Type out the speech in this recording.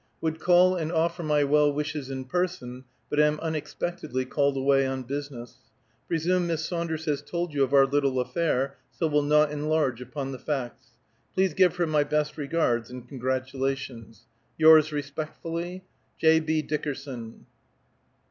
Would call and offer my well wishes in person, but am unexpectedly called away on business. Presume Miss Saunders has told you of our little affair, so will not enlarge upon the facts. Please give her my best regards and congratulations. "Yours respect'ly, "J. B. DICKERSON."